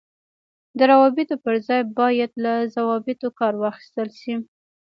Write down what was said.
د روابطو پر ځای باید له ضوابطو کار واخیستل شي.